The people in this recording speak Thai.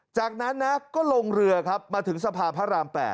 จากนั้นนะก็ลงเรือครับมาถึงสภาพระราม๘